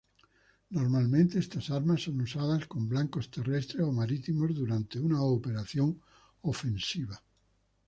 Normalmente, estas armas son usadas con blancos terrestres o marítimos durante una operación ofensiva.